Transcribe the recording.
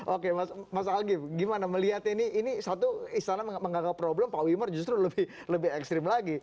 oke mas algif gimana melihat ini satu istana menganggap problem pak wimar justru lebih ekstrim lagi